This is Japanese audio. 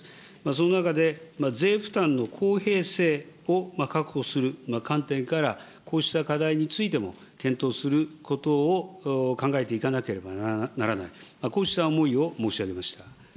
その中で、税負担の公平性を確保する観点から、こうした課題についても、検討することを考えていかなければならない、こうした思いを申し上げました。